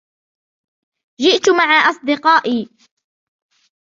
جئت مع أصدقائي.